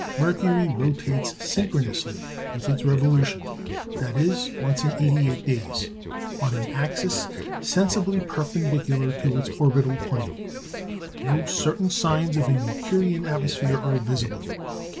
Mercury rotates synchronously with its revolution that is, once in 88 days on an axis sensibly perpendicular to its orbital plane. No certain signs of a Mercurian atmosphere are visible.